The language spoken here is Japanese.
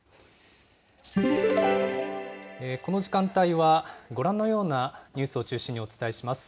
この時間帯は、ご覧のようなニュースを中心にお伝えします。